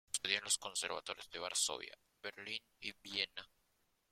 Estudió en los conservatorios de Varsovia, Berlín y Viena.